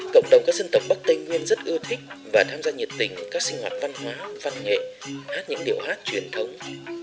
cộng đồng các dân tộc bắc tây nguyên rất ưa thích và tham gia nhiệt tình các sinh hoạt văn hóa văn nghệ hát những điệu hát truyền thống